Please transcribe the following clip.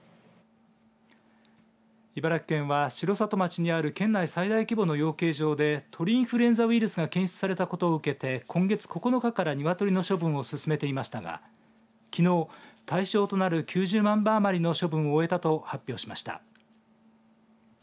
茨城県は城里町にある県内最大規模の養鶏場で鳥インフルエンザウイルスが検出されたことを受けて今月９日から鶏の処分を進めていましたがきのう、対象となる９０万羽余りの処分を終えたと発表しました。